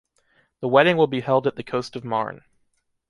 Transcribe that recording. The wedding will be held at the coast of Marne.